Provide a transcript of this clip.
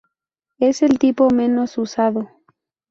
Es el tipo menos usado.